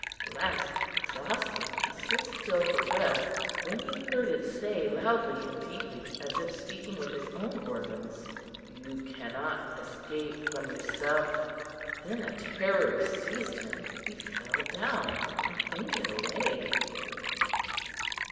At last, exhausted, he stood still for breath, when he heard it say loudly and deeply, as if speaking with his own organs, "You cannot escape from yourself!" Then a terror seized him; he fell down and fainted away.